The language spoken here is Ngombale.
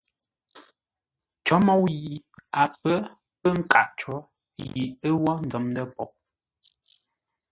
Cǒ môu yi a pə̌ pə nkâʼ có yi ə́ wə́ nzəm ndə̂ poghʼ.